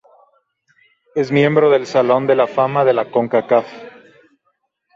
Es miembro del Salón de la Fama de la Concacaf.